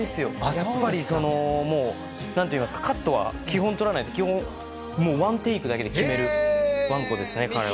やっぱりなんて言いますか、カットは基本撮らない、基本、もうワンテイクだけで決めるワンコですね、彼は。